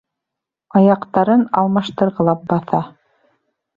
Аяҡтарын алмаштырғылап баҫа.